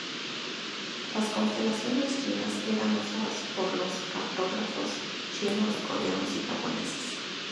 Las constelaciones chinas eran usadas por los cartógrafos chinos, coreanos y japoneses.